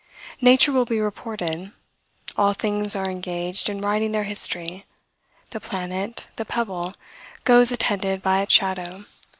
Nature will be reported. All things are engaged in writing their history. The planet, the pebble, goes attended by its shadow.